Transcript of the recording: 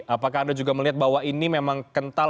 apakah anda juga melihat bahwa ini memang kental